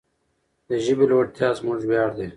د ژبې لوړتیا زموږ ویاړ دی.